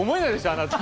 あなた。